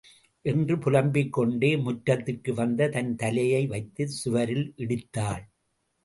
என்று புலம்பிக் கொண்டே முற்றத்திற்கு வந்து தன் தலையை வைத்துச் சுவரில் இடித்தாள்.